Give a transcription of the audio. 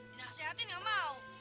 dina sehatin gak mau